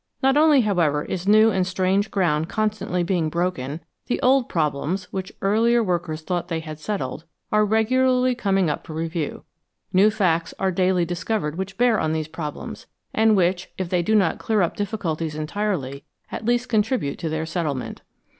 Not only, however, is new and strange ground constantly being broken ; the old problems, which earlier workers thought they had settled ? are regularly coming up for review ; new facts are daily discovered which bear on these problems, and which, if they do not clear up difficulties entirely, at least con tribute to their settlement.